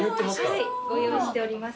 ご用意しております。